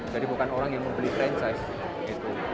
jadi bukan orang yang mau beli franchise gitu